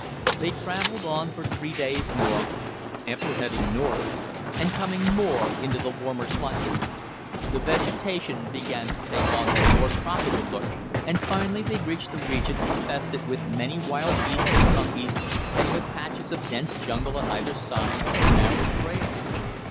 They traveled on for three days more, ever heading north, and coming more into the warmer climate. The vegetation began to take on a more tropical look, and finally they reached a region infested with many wild beasts and monkeys, and with patches of dense jungle on either side of the narrow trail.